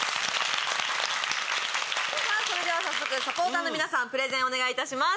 それでは早速サポーターの皆さんプレゼンお願いいたします。